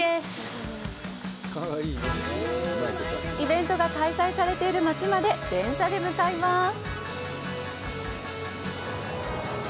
イベントが開催されている街まで電車で向かいます。